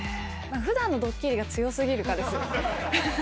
ふだんのどっきりが強すぎるかですよね。